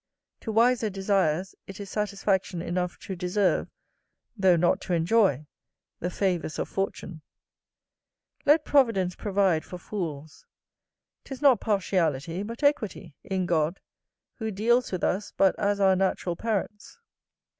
To wiser desires it is satisfaction enough to deserve, though not to enjoy, the favours of fortune. Let providence provide for fools: 'tis not partiality, but equity, in God, who deals with us but as our natural parents.